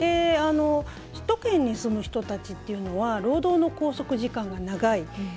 首都圏に住む人たちっていうのは労働の拘束時間が長い。